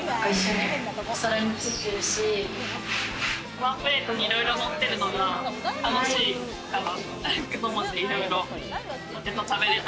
ワンプレートにいろいろのってるのが楽しいかな。